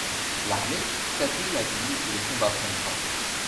L'armée quadrille la ville et les combats prennent fin.